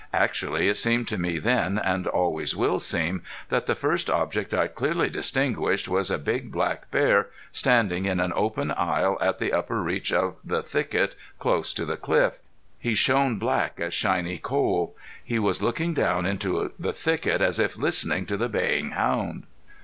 Actually it seemed to me then, and always will seem, that the first object I clearly distinguished was a big black bear standing in an open aisle at the upper reach of the thicket close to the cliff. He shone black as shiny coal. He was looking down into the thicket, as if listening to the baying hound.